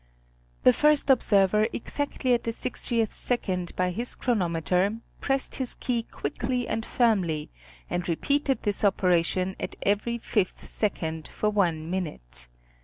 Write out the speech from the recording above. The first observer exactly at the sixtieth second by his chronometer pressed his key quickly and firmly and repeated this operation at every fifth second for one minute.